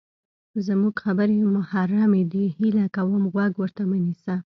زمونږ خبرې محرمې دي، هیله کوم غوږ ورته مه نیسه!